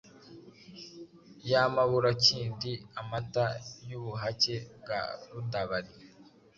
yamabura Kindi amata y’ubuhake bwa Rudabari